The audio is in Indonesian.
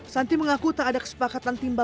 santi mengaku tak ada kesepakatan timbal